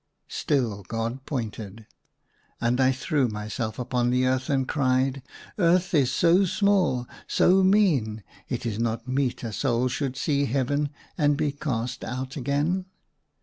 Still God pointed. And I threw myself upon the earth and cried, *' Earth is so small, so mean ! It is not meet a soul should see Heaven and be cast out again